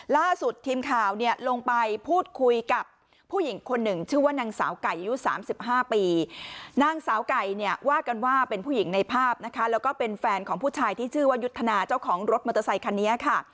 ล่าสุดทีมข่าวเนี่ยลงไปพูดคุยกับผู้หญิงคนหนึ่งชื่อว่านางสาวไก่อายุ๓๕ปีนางสาวไก่เนี่ยว่ากันว่าเป็นผู้หญิงในภาพนะคะแล้วก็เป็นแฟนของผู้ชายที่ชื่อว่ายุทธนาเจ้าของรถมอเตอร์ไซคันนี้ค่ะ